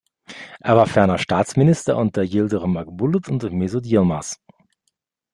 Er war ferner Staatsminister unter Yıldırım Akbulut und Mesut Yılmaz.